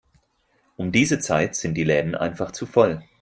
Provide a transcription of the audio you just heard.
Um diese Zeit sind die Läden einfach zu voll.